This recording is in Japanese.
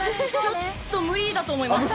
ちょっと無理だと思います。